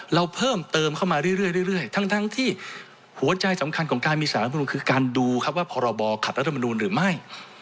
เราเพิ่มเติมเข้ามาเรื่อยเรื่อยเรื่อยเรื่อยทั้งทั้งที่หัวใจสำคัญของการมีสารบุคคลคือการดูครับว่าพอเราบอกขัดรัฐมนุนหรือไม่